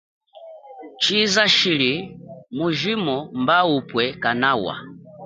Tshiza chili mujimo mba upwe kanawa.